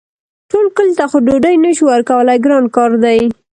ټول کلي ته خو ډوډۍ نه شو ورکولی ګران کار دی.